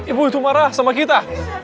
ibu itu marah sama kita